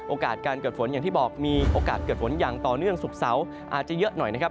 โอกาสการเกิดฝนอย่างที่บอกมีโอกาสเกิดฝนอย่างต่อเนื่องศุกร์เสาร์อาจจะเยอะหน่อยนะครับ